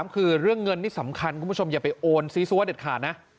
คือเรื่องเงินนี่สำคัญคุณผู้ชมอย่าไปโอนซีซัวเด็ดขาดนะ